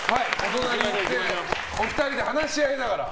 お二人で話し合いながら。